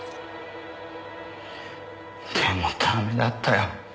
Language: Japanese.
でもダメだったよ。